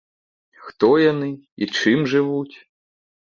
Хто яны і чым жывуць?